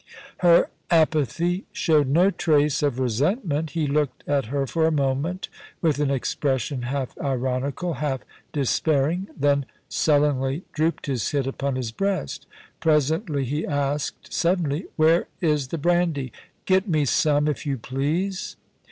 MRS. VALLANCVS HOME. 45 Her apathy showed no trace of resentment He looked at her for a moment with an expression half ironical, half despairing ; then sullenly drooped his head upon his breast Presently he asked suddenly :* Where is the brandy ? Get me some, if you please.'